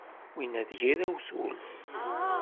Winna d yir awtul.